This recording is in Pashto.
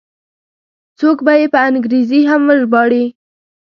څوک به یې په انګریزي هم وژباړي.